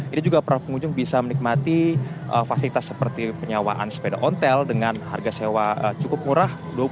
ini juga para pengunjung bisa menikmati fasilitas seperti penyewaan sepeda ontel dengan harga sewa cukup murah